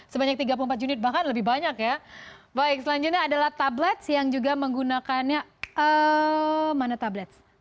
saya tiga puluh empat jallingnya lebih banyak ya baik selanjutnya adalah tablets yang juga menggunakannya mana tabletanche ini yang sangat kecil tampaknya nah yang paling banyak digunakan adalah drone retail tampaknya ya